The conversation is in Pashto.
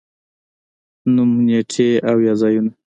نوم، نېټې او یا ځايونه